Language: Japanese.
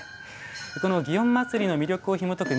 この祇園祭の魅力をひもとく